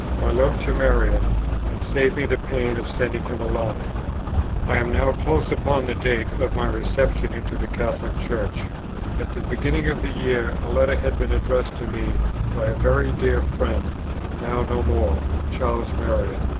My love to Marriott, and save me the pain of sending him a line." I am now close upon the date of my reception into the Catholic Church; at the beginning of the year a letter had been addressed to me by a very dear friend, now no more, Charles Marriott.